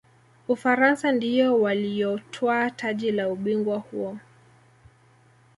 ufaransa ndiyo waliyotwaa taji la ubingwa huo